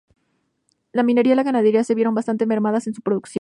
La minería y la ganadería se vieron bastante mermadas en su producción.